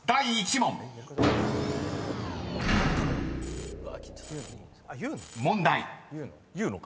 ［問題］